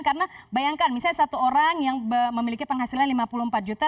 karena bayangkan misalnya satu orang yang memiliki penghasilan lima puluh empat juta